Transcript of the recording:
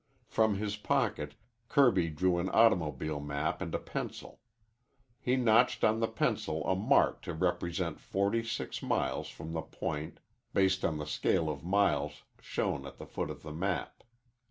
From his pocket Kirby drew an automobile map and a pencil. He notched on the pencil a mark to represent forty six miles from the point, based on the scale of miles shown at the foot of the map.